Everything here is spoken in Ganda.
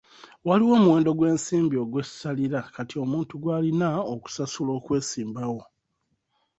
Waliwo omuwendo gw'ensimbi ogw'essalira kati omuntu gw'alina okusasula okwesimbawo.